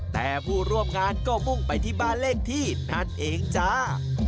แต่ผู้ร่วมงานก็มุ่งไปที่บ้านเลขที่นั่นเองจ้า